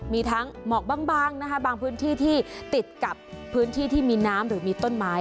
มีทั้งหมอกบางนะคะบางพื้นที่ที่ติดกับพื้นที่ที่มีน้ำ